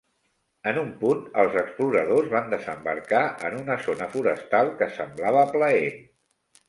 En un punt els exploradors van desembarcar en una zona forestal que semblava plaent.